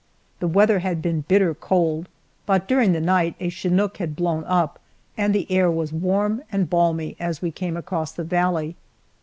The weather had been bitter cold, but during the night a chinook had blown up, and the air was warm and balmy as we came across the valley.